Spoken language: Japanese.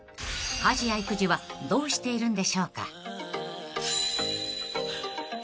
［家事や育児はどうしているんでしょうか］